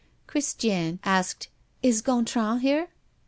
Christiane asked: "Is Gontran here?"